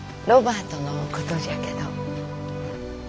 ロバートのことじゃけど。